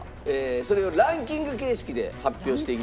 それをランキング形式で発表していきたいと思います。